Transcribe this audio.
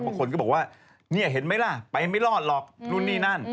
บางคนก็บอกว่านี่เห็นไหมล่ะไปไม่รอดหรอกนู่นนี่นั่น